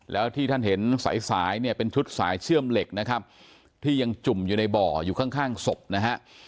แล้วที่ท่านเห็นสายสายเนี่ยเป็นชุดสายเชื่อมเหล็กนะครับที่ยังจุ่มอยู่ในบ่ออยู่ข้างข้างศพนะฮะ